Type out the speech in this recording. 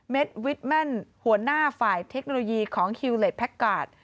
เม็ดวิทมันหัวหน้าฝ่ายเทคโนโลยีของฮิลเล็ดแพ็คการ์ด